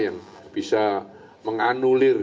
yang bisa menganulir